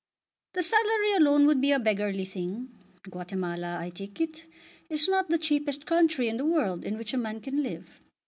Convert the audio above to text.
"The salary alone would be a beggarly thing. Guatemala, I take it, is not the cheapest country in the world in which a man can live.